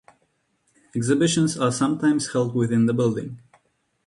Exhibitions are sometimes held within the building.